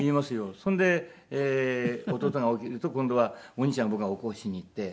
それで弟が起きると今度はお兄ちゃんを僕が起こしにいって。